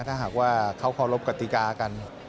ถ้าหากว่าเขาเคารพกติกากัน